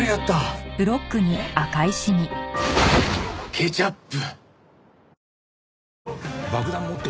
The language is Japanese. ケチャップ！